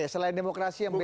selain demokrasi yang bebas